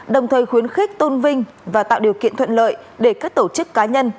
đồng thời khuyến khích tôn vinh và tạo điều kiện thuận lợi để các tổ chức cá nhân